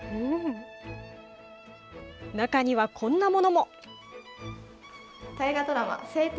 中には、こんなものも。